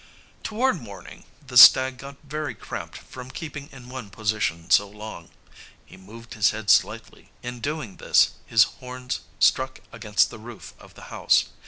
Toward morning the stag got very cramped from keeping in one position so long. He moved his head slightly. In doing this his horns struck against the roof of the house.